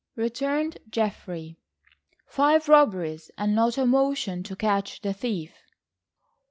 returned Geoffrey. "Five robberies and not a motion to catch the thief!"